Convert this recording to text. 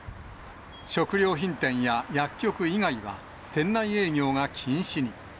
食料品店や薬局以外は、店内営業が禁止に。